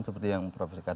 seperti yang prof kata